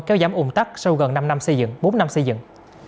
kéo giảm ủng tắc sau gần bốn năm xây dựng